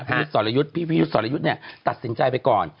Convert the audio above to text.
ยุทธ์สรยุทธ์พี่ยุทธ์สรยุทธ์เนี่ยตัดสินใจไปก่อน